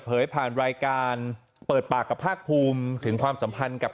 ผ่านรายการเปิดปากกับภาคภูมิถึงความสัมพันธ์กับ